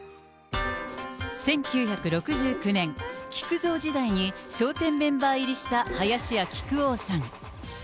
１９６９年、木久蔵時代に笑点メンバー入りした林家木久扇さん。